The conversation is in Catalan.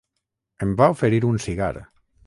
Em va oferir un cigar.